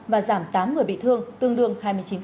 và giảm tám người bị thương tương đương hai mươi chín